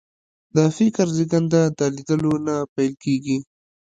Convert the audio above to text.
د فکر زېږنده د لیدلو نه پیل کېږي